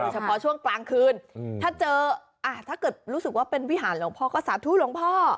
เฉพาะช่วงกลางคืนถ้าเจอถ้าเกิดรู้สึกว่าเป็นวิหารหลวงพ่อก็สาธุหลวงพ่อ